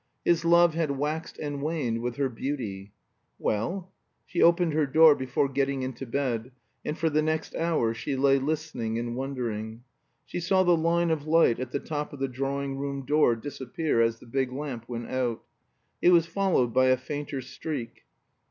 His love had waxed and waned with her beauty. Well She opened her door before getting into bed, and for the next hour she lay listening and wondering. She saw the line of light at the top of the drawing room door disappear as the big lamp went out. It was followed by a fainter streak.